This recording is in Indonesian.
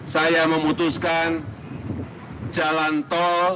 saya memutuskan jalan tol